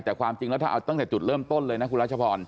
แต่ความจริงแล้วถ้าเอาตั้งแต่จุดเริ่มต้นเลยนะคุณรัชพร